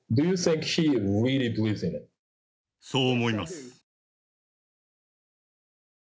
そう思います。